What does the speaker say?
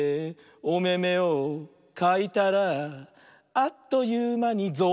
「おめめをかいたらあっというまにゾウさんだ！」